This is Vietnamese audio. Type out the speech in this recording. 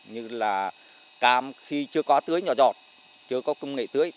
như là cam khi chưa có tưới nhỏ giọt chưa có công nghệ tưới